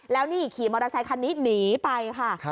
แล้วนี่ขี่มอเตอร์ไซคันนี้หนีไปค่ะ